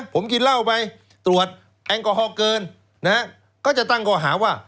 ผมกินเล่าไปตรวจแอลกอฮอล์เกินก็จะตั้งก่อหาว่า